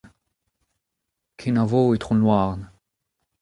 Kenavo Itron Louarn.